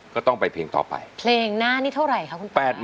ก็ต้องไปเพลงต่อไปเพลงหน้านี้เท่าไหร่คะคุณ